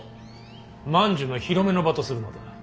万寿の披露目の場とするのだ。